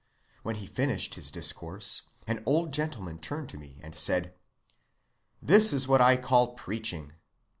When he finished his discourse, an old gentleman turned to me and said, 'This is what I call preaching.